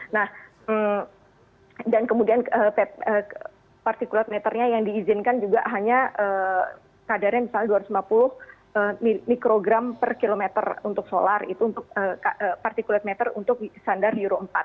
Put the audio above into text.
nah dan kemudian partikulat meternya yang diizinkan juga hanya kadarnya misalnya dua ratus lima puluh mikrogram per kilometer untuk solar itu untuk particulate meter untuk standar euro empat